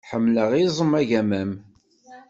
Ḥemmleɣ iẓem agaman.